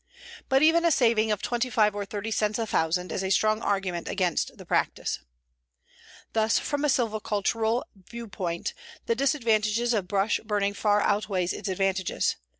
But even a saving of 25 or 30 cents a thousand is a strong argument against the practice. "Thus, from a silvicultural viewpoint, the disadvantages of brush burning far outweigh its advantages.